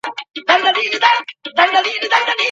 په لاس لیکل د مغز انځوریز مهارتونه زیاتوي.